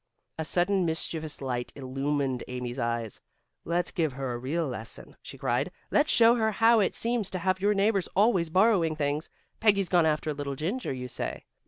A sudden mischievous light illumined Amy's eyes. "Let's give her a real lesson," she cried. "Let's show her how it seems to have your neighbors always borrowing things. Peggy's gone after a little ginger, you say?"